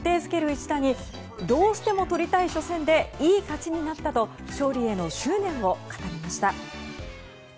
一打にどうしても取りたい初戦でいい勝ちになったと勝利への執念を語りました。